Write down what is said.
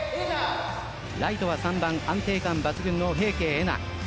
ライトは３番安定感抜群の平家愛梨。